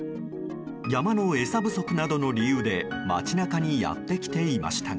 山の餌不足などの理由で街中にやってきていましたが。